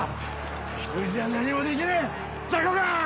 １人じゃ何もできねえザコが！